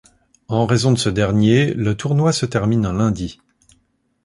En raison de ce dernier, le tournoi se termine un lundi.